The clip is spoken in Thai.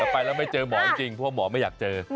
ไปแล้วไม่เจอหมอจริงเพราะหมอไม่อยากเจอ